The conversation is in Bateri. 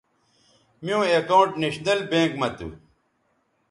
میوں اکاؤنٹ نیشنل بینک مہ تھو